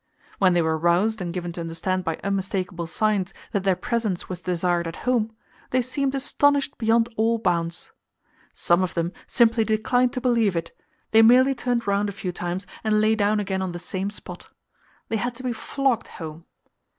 When they were roused and given to understand by unmistakable signs that their presence was desired at home, they seemed astonished beyond all bounds. Some of them simply declined to believe it; they merely turned round a few times and lay down again on the same spot. They had to be flogged home.